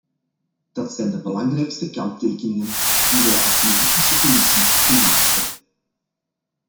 Dat zijn de belangrijkste kanttekeningen die wij als juridische commissie gemaakt hebben.